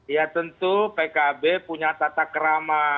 ya tentu pkb punya tata kerama